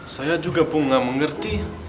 saya juga pun nggak mengerti